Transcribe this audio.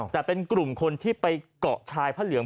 แต่เป็นกลุ่มคนที่ไปเกาะชายพระเหลือง